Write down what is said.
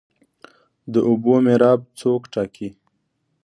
د اوبو میراب څوک ټاکي؟